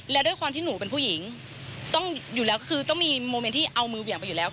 และด้วยความที่หนูเป็นผู้หญิงต้องอยู่แล้วคือต้องมีโมเมนต์ที่เอามือเหวี่ยงไปอยู่แล้ว